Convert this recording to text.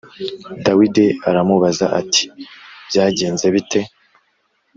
Dawidi aramubaza ati “Byagenze bite?